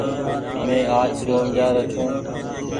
مينٚ آج شون جآ رو ڇو